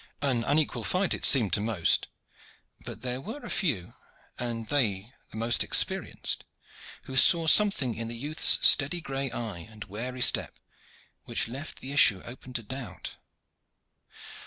An unequal fight it seemed to most; but there were a few, and they the most experienced, who saw something in the youth's steady gray eye and wary step which left the issue open to doubt.